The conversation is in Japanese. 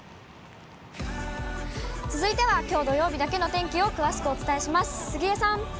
続いては、きょう土曜日だけの天気を詳しくお伝えします。